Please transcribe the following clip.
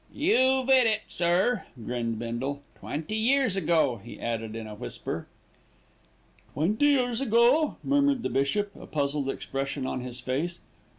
"You've 'it it, sir," grinned Bindle. "Twenty years ago," he added in a whisper. "Twenty years ago!" murmured the bishop, a puzzled expression on his face.